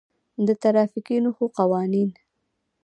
د ترافیکي نښو قوانین: